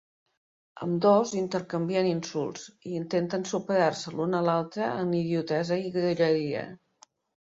Ambdós intercanvien insults, i intenten superar-se l'un a l'altre en idiotesa i grolleria.